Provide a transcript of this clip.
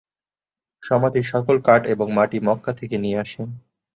সমাধির সকল কাঠ এবং মাটি মক্কা থেকে নিয়ে আসেন।